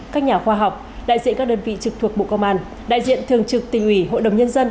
các nhà khoa học đại diện các đơn vị trực thuộc bộ công an đại diện thường trực tình ủy hội đồng nhân dân